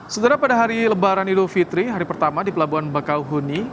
setelah pada hari lebaran idul fitri hari pertama di pelabuhan bakau huni